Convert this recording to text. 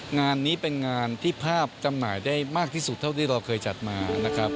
งานนี้เป็นงานที่ภาพดำนวนใหม่ได้มากที่สุดเท่าครึ่งที่เราจัดมา